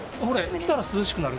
着たら涼しくなる？